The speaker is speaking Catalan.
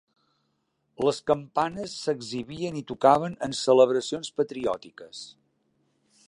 Les campanes s'exhibien i tocaven en celebracions patriòtiques.